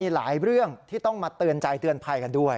หลายเรื่องที่ต้องมาเตือนใจเตือนภัยกันด้วย